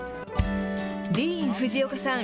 ディーン・フジオカさん。